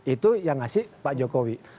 itu yang ngasih pak jokowi